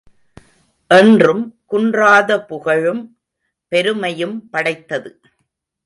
என்றும் குன்றாத புகழும் பெருமையும் படைத்தது.